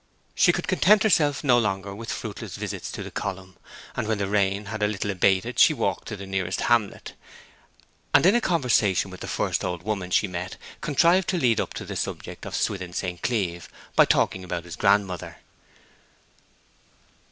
She could content herself no longer with fruitless visits to the column, and when the rain had a little abated she walked to the nearest hamlet, and in a conversation with the first old woman she met contrived to lead up to the subject of Swithin St. Cleeve by talking about his grandmother.